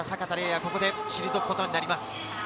ここで退くことになります。